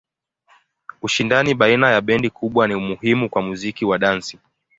Ushindani baina ya bendi kubwa ni muhimu kwa muziki wa dansi.